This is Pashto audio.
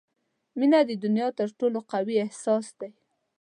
• مینه د دنیا تر ټولو قوي احساس دی.